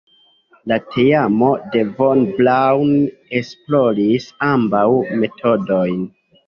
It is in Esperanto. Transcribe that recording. La teamo de Von Braun esploris ambaŭ metodojn.